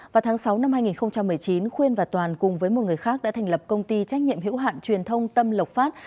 vào tháng sáu năm hai nghìn một mươi chín khuyên và toàn cùng với một người khác đã thành lập công ty trách nhiệm hữu hạn truyền thông tâm lộc phát